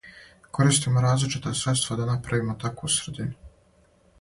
Користимо различита средства да направимо такву средину.